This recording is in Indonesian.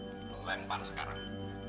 lo lempar sekarang